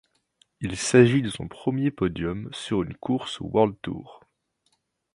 Il s'agit de son premier podium sur une course World Tour.